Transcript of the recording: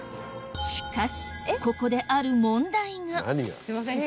しかしここである問題がすいません